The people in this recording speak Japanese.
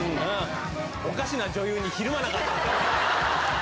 おかしな女優にひるまなかった。